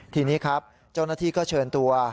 ทีนี้ครับเจ้าหน้าที่ก็เชิญตัว